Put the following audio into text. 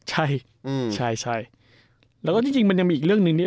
ใช่แล้วก็จริงมันยังมีอีกเรื่องนึงนี่